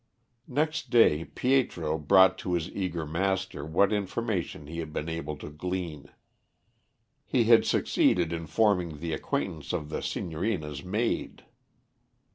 Next day Pietro brought to his eager master what information he had been able to glean. He had succeeded in forming the acquaintance of the Signorina's maid.